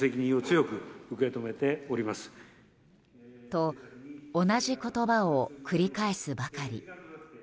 と、同じ言葉を繰り返すばかり。